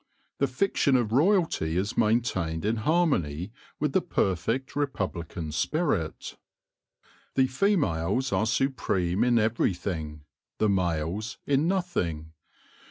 The fiction of royalty is maintained in harmony with the perfect republican spirit. The females are supreme in every thing, the males in nothing.